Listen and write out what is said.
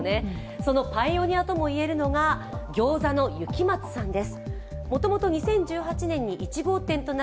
そのパイオニアともいえるのが餃子の雪松さんです。